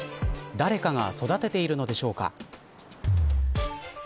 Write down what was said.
誰かが育てているのでしょうか。